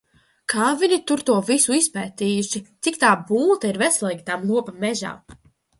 Kā viņi tur to visu izpētījuši, cik tā bulta ir veselīga tam lopam mežā.